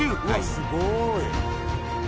すごーい